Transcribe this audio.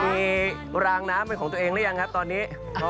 มีรางน้ำเป็นของตัวเองหรือยังครับตอนนี้